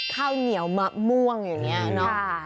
ข้าวเหนียวมะม่วงอยู่เนี่ย